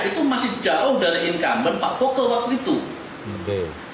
itu masih jauh dari incumbent pak fokal waktu itu